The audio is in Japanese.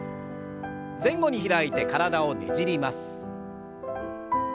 前後に開いて体をねじります。